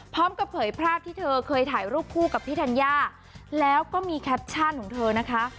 เผยภาพที่เธอเคยถ่ายรูปคู่กับพี่ธัญญาแล้วก็มีแคปชั่นของเธอนะคะ